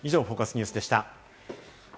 ニュースでした。